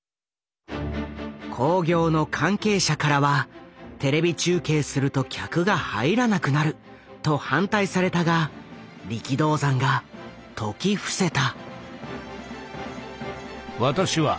興行の関係者からはテレビ中継すると客が入らなくなると反対されたが力道山が説き伏せた。